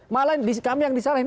malah kami yang disalahin